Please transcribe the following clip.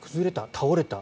倒れた。